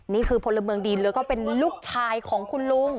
พลเมืองดีแล้วก็เป็นลูกชายของคุณลุง